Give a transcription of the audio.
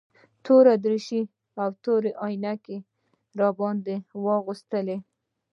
توره دريشي او تورې عينکې يې راباندې واغوستلې.